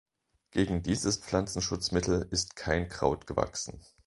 Gegen dieses Pflanzenschutzmittel ist kein Kraut gewachsen.